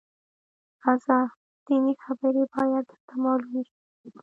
_راځه! ځينې خبرې بايد درته مالومې شي.